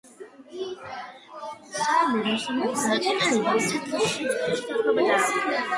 საამიროს სასამრთლოს გადაწყვეტილებამ ცეცხლის შეწყვეტის შეთანხმება დაარღვია.